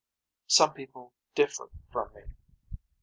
Some people differ from me.